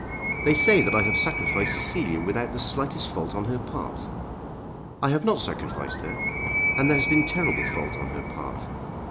"They say that I have sacrificed Cecilia without the slightest fault on her part. I have not sacrificed her, and there has been terrible fault on her part.